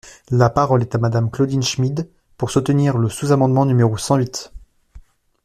La parole est à Madame Claudine Schmid, pour soutenir le sous-amendement numéro cent huit.